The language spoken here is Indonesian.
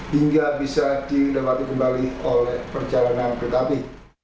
hingga bisa dilewati kembali oleh perjalanan kereta api